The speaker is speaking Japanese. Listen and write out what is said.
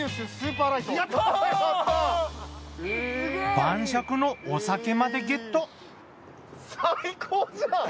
晩酌のお酒までゲット。